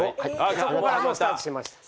そこからもうスタートしました。